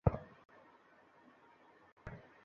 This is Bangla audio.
হোটেল পোর্টল্যান্ড নামে কোনো কিছু নেই।